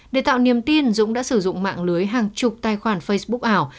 để tạo niềm tin dũng đã sử dụng mạng lưới hàng chục tài khoản facebook ảo